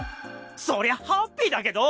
そりゃハッピーだけど！